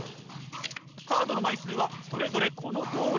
カードの枚数はそれぞれこのとおり。